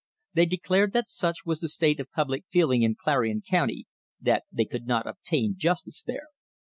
They declared that such was the state of public feeling in Clarion County that they could not obtain justice there.